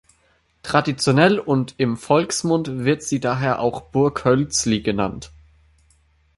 Traditionell und im Volksmund wird sie daher auch Burghölzli genannt.